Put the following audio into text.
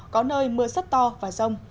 có nơi mưa rất to và rông